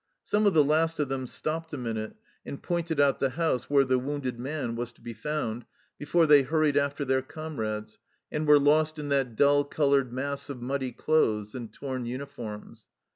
Some of the last of them stopped a minute and pointed out the house where the wounded man was to be 32 THE CELLAR HOUSE OF PERVYSE found, before they hurried after their comrades, and were lost in that dull coloured mass of muddy clothes and torn uniforms.